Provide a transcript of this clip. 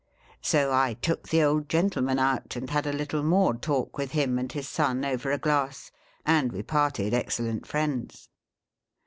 So I took the old gentleman out, and had a little more talk with him and his son, over a glass, and we parted ex cellent friends.